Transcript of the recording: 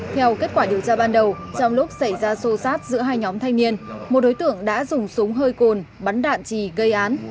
theo kết quả điều tra ban đầu trong lúc xảy ra xô xát giữa hai nhóm thanh niên một đối tượng đã dùng súng hơi cồn bắn đạn trì gây án